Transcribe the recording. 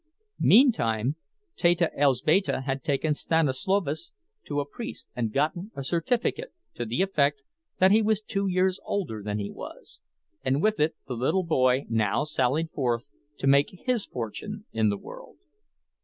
Meantime Teta Elzbieta had taken Stanislovas to the priest and gotten a certificate to the effect that he was two years older than he was; and with it the little boy now sallied forth to make his fortune in the world.